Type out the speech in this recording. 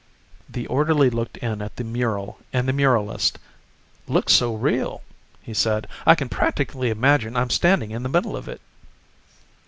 The orderly looked in at the mural and the muralist. "Looks so real," he said, "I can practically imagine I'm standing in the middle of it."